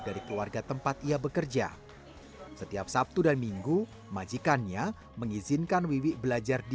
dari keluarga tempat ia bekerja setiap sabtu dan minggu majikannya mengizinkan wiwi belajar di